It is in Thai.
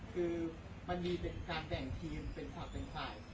คือมันมีเป็นการแบ่งทีมเป็นฝ่ายเป็นฝ่าย